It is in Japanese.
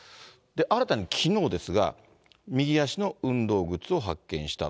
新たにきのうですが、右足の運動靴を発見した。